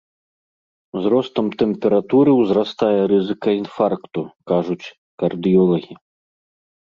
З ростам тэмпературы ўзрастае рызыка інфаркту, кажуць кардыёлагі.